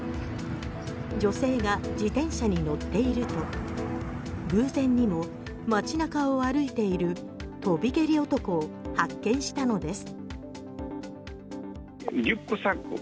女性が自転車に乗っていると偶然にも街中を歩いている飛び蹴り男を発見したのです。